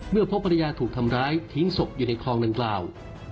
พบภรรยาถูกทำร้ายทิ้งศพอยู่ในคลองดังกล่าว